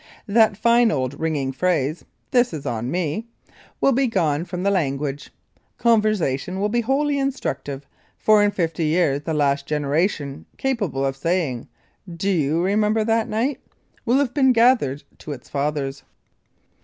That fine old ringing phrase, "This is on me," will be gone from the language. Conversation will be wholly instructive, for in fifty years the last generation capable of saying, "Do you remember that night ?" will have been gathered to its fathers.